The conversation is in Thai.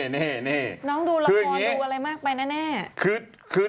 นี่น้องดูละครดูอะไรมากไปแน่